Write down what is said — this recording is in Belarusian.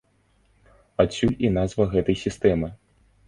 Адсюль і назва гэтай сістэмы.